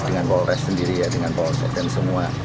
dengan polres sendiri ya dengan polsek dan semua